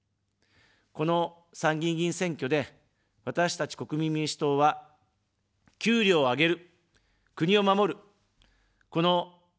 この参議院議員選挙で、私たち国民民主党は、給料を上げる、国を守る、この２つのテーマを掲げました。